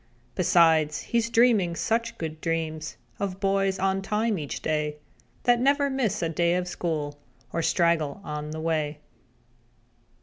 Besides he's dreaming such good dreams Of boys on time each day, That never miss a day at school Or straggle on the way.